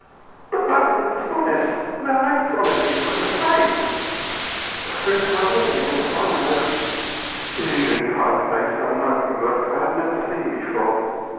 "But that would be dishonest. And there are no dishonest people in the State." "For three thousand years. I know." His usually kind face had an ugly look I had never seen before.